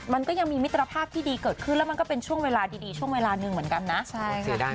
มันก็ยังมีมิตรภาพที่ดีเกิดขึ้นแล้วมันก็เป็นช่วงเวลาดีช่วงเวลาหนึ่งเหมือนกันนะ